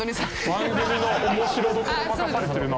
番組の面白どころ任されてるな。